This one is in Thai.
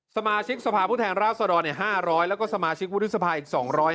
สมาชิกสภาพผู้แทนราชดร๕๐๐แล้วก็สมาชิกวุฒิสภาอีก๒๕๕